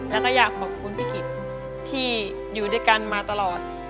แล้วก็อยากขอบคุณพี่กิจที่อยู่ด้วยกันมาตลอด